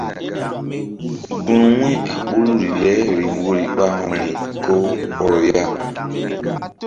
Gun wu̧y a ɓoruri le riŋ woyri ɓa vbi̧ri ko hɔrɔ ya.